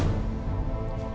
aku mau pulang